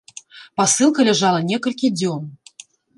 Пасылка ляжала некалькі дзён.